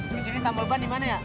di sini tambel ban dimana ya